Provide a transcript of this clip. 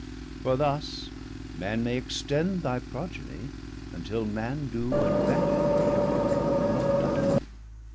40 For thus, Man may extend thy progeny, Untill man doe but vanish, and not die.